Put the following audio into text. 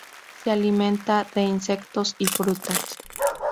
Se alimenta de insectos y frutas.